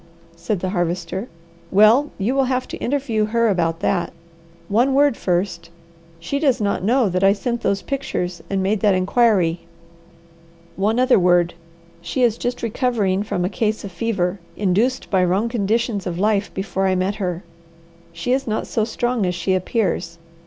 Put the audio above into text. said the Harvester. "Well you will have to interview her about that. One word first. She does not know that I sent those pictures and made that inquiry. One other word. She is just recovering from a case of fever, induced by wrong conditions of life before I met her. She is not so strong as she appears.